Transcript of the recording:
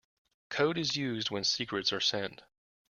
Code is used when secrets are sent.